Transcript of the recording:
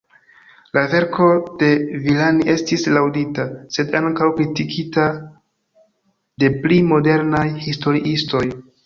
La verko de Villani estis laŭdita, sed ankaŭ kritikita de pli modernaj historiistoj.